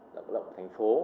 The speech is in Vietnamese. cuộc sống ở thành phố